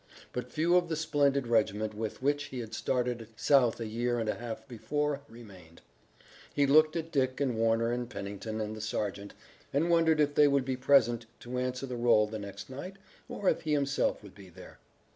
But few of the splendid regiment with which he had started south a year and a half before remained. He looked at Dick and Warner and Pennington and the sergeant and wondered if they would be present to answer to the roll the next night, or if he himself would be there?